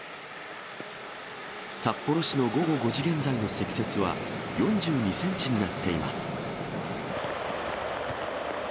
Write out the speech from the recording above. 札幌市の午後５時現在の積雪は４２センチになっています。